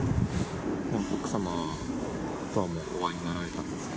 奥様とはもうお会いになられたんですか。